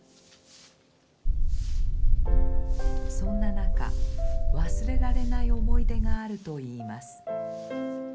そんな中忘れられない思い出があると言います。